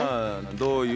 どういう。